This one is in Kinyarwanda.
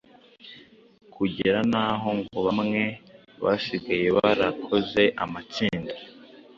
kugera n’aho ngo bamwe basigaye barakoze amatsinda